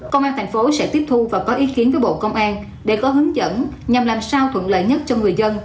công an thành phố sẽ tiếp thu và có ý kiến với bộ công an để có hướng dẫn nhằm làm sao thuận lợi nhất cho người dân